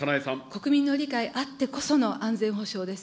国民の理解あってこその安全保障です。